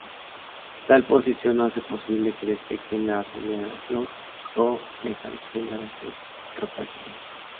Tal posición hace posible que detecten la aceleración o desaceleración rotacional.